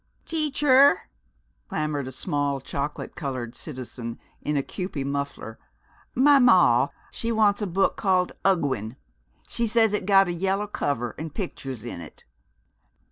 "Teacher!" clamored a small chocolate colored citizen in a Kewpie muffler, "my maw she want' a book call' 'Ugwin!' She say it got a yellow cover an' pictures in it."